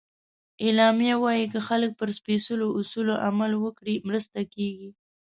اعلامیه وایي که خلک پر سپیڅلو اصولو عمل وکړي، مرسته کېږي.